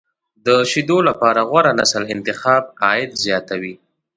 د شیدو لپاره غوره نسل انتخاب، عاید زیاتوي.